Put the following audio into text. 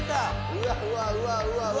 うわうわうわうわ！